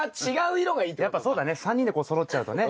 やっぱそうだね３人でこうそろっちゃうとね。